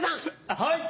はい。